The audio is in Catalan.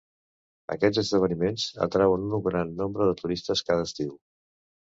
Aquests esdeveniments atrauen un gran nombre de turistes cada estiu.